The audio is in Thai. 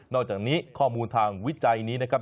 อกจากนี้ข้อมูลทางวิจัยนี้นะครับ